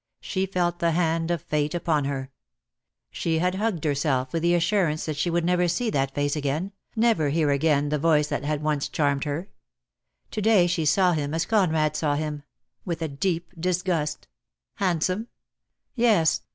She felt the hand of fate upon her. She had hugged her self with the assurance that she would never see that face again, never hear again the voice that had once charmed her. To day she saw him as Conrad saw him — with a deep disgust. Handsome? Yes!